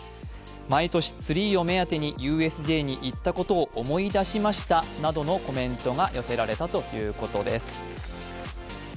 毎年、ツリーを目当てにＵＳＪに行ったことを思い出しましたなどのコメントが寄せられたということです。